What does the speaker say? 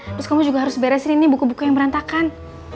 terus kamu juga harus beresin ini buku buku yang berantakan